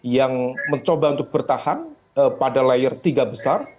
yang mencoba untuk bertahan pada layer tiga besar